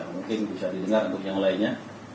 mungkin bisa didengar untuk yang lainnya